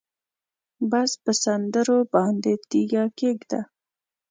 بس په سندرو باندې تیږه کېږده